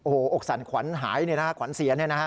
โอ้โหอกสันขวัญหายขวัญเสีย